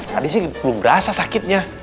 tadi sih belum berasa sakitnya